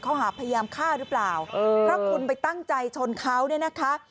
เขาหาก็พยายามฆ่าหรือเปล่าถ้าคุณไปตั้งใจชนเขา